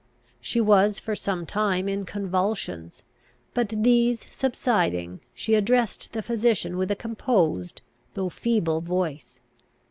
She was for some time in convulsions; but, these subsiding, she addressed the physician with a composed, though feeble voice.